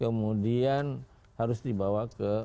kemudian harus dibawa ke